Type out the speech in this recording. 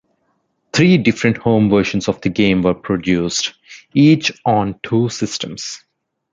Three different home versions of the game were produced, each on two systems.